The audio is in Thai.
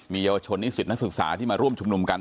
เยาวชนนิสิตนักศึกษาที่มาร่วมชุมนุมกัน